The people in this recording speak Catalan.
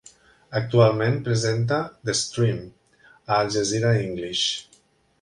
Actualment, presenta "The Stream" a Al Jazeera English.